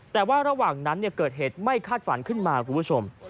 แต่ว่าระหว่างนั้นเกิดเหตุไม่คาดฝันขึ้นมาคุณผู้ชม